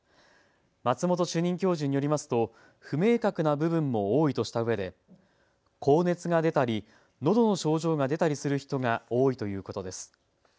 松本主任教授によりますと不明確な部分も多いとしたうえで高熱が出たり、のどの症状が出たりする人が多いということです。